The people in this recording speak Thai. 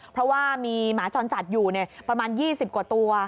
เพราะว่ามีหมาจรจัดอยู่ประมาณ๒๐กว่าตัว